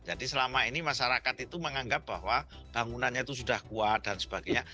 jadi selama ini masyarakat itu menganggap bahwa bangunannya itu sudah kuat dan sebagainya